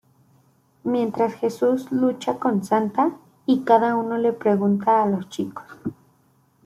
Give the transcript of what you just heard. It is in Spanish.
Mientras Jesús lucha con Santa, y cada uno le pregunta a los chicos.